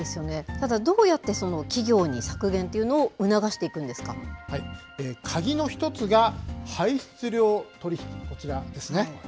ただ、どうやって企業に削減を促鍵の一つが、排出量取引、こちらですね。